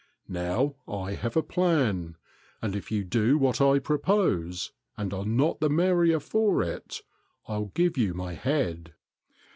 Now I have a plan, and if you do what I propose and are not the merrier for it, I'll give you my head."